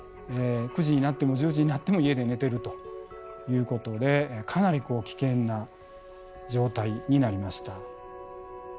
９時になっても１０時になっても家で寝てるということでかなり危険な状態になりました。